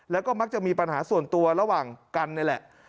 แล้วก็มักจะมีปัญหาส่วนตัวระหว่างกันนี่แหละ